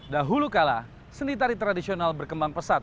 dahulu kala seni tari tradisional berkembang pesat